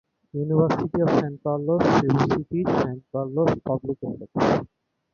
University of San Carlos, Cebu City: San Carlos Publications.